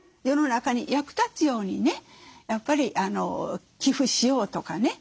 世の中に役立つようにねやっぱり寄付しようとかね。